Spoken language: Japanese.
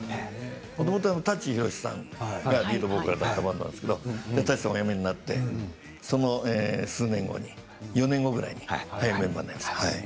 もともと舘ひろしさんがリードボーカルだったんですが舘さんが、お辞めになってその４年後ぐらいに入りました。